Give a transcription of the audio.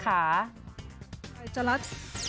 ใครจะรัส